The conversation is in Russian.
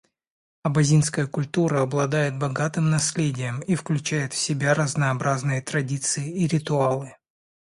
Абазинская культура обладает богатым наследием и включает в себя разнообразные традиции и ритуалы.